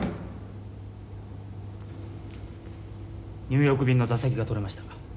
ニューヨーク便の座席が取れました。